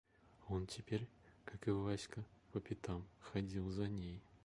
Он теперь, как и Васька, по пятам ходил за ней.